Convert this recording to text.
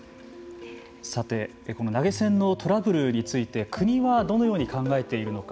さてこの投げ銭のトラブルについて国はどのように考えているのか。